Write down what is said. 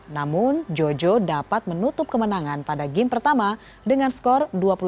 namun jojo dapat menutup kemenangan pada game pertama dengan skor dua puluh satu delapan belas